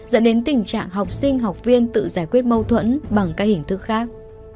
dẫn đến tình trạng học sinh học viên tự giải quyết mâu thuẫn bằng các hình thức khác